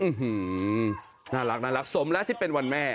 น่ารักสมแล้วที่เป็นวันแม่